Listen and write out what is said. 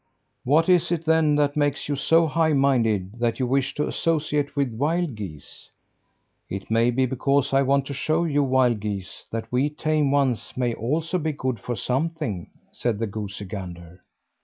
"What is it, then, that makes you so high minded that you wish to associate with wild geese?" "It may be because I want to show you wild geese that we tame ones may also be good for something," said the goosey gander.